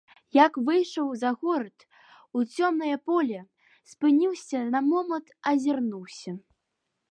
Як выйшаў за горад, у цёмнае поле, спыніўся на момант, азірнуўся.